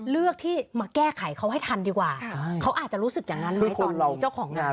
เลือกที่มาแก้ไขเขาให้ทันดีกว่าเขาอาจจะรู้สึกอย่างนั้นไหมตอนนี้เจ้าของงาน